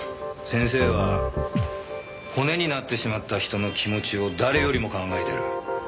先生は骨になってしまった人の気持ちを誰よりも考えてる。